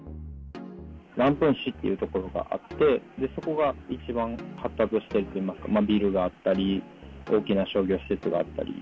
ランプン市という所があって、そこが一番発達してといいますか、ビルがあったり、大きな商業施設があったり。